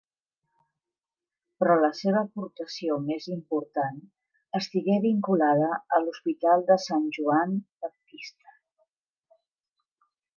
Però la seva aportació més important estigué vinculada a l'Hospital de Sant Joan Baptista.